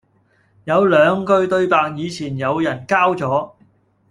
有兩句對白以前有人交咗